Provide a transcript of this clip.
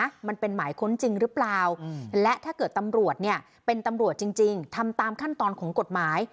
มันเป็นหมายค้นจริงหรือเปล่าและถ้าเกิดตำรวจเนี่ยเป็นตำรวจจริงจริงทำตามขั้นตอนของกฎหมาย